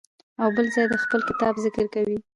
او بل ځای د خپل کتاب ذکر کوي.